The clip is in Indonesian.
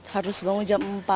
harus bangun jam empat